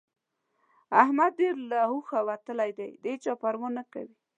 احمد ډېر له هوښه وتلی دی؛ د هيچا پروا نه کوي.